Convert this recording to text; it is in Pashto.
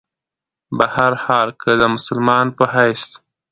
بهرحال کۀ د مسلمان پۀ حېث